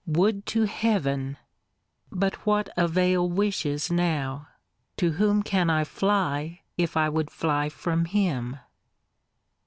Would to Heaven But what avail wishes now? To whom can I fly, if I would fly from him?